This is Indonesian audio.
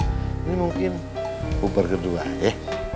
ini mungkin uber kedua ya